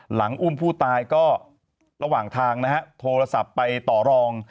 หลังอุ้มผู้ตายก็ระหว่างทางนะฮะโทรศัพท์ไปต่อรอง